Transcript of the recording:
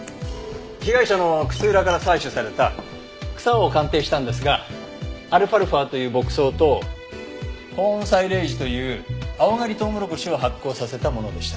被害者の靴裏から採取された草を鑑定したんですがアルファルファという牧草とコーンサイレージという青刈りトウモロコシを発酵させたものでした。